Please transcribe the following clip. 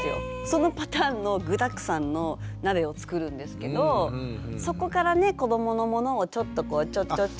そのパターンの具だくさんの鍋を作るんですけどそこからね子どものものをちょっとこうちょちょちょっと。